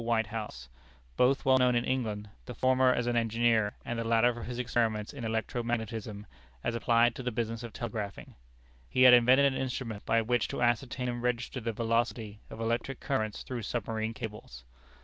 Whitehouse, both well known in England, the former as an engineer, and the latter for his experiments in electro magnetism, as applied to the business of telegraphing. He had invented an instrument by which to ascertain and register the velocity of electric currents through submarine cables.